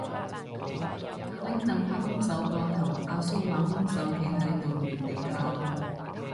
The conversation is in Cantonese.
拎櫈拍兇手頭個阿叔話兇手企喺度原地喊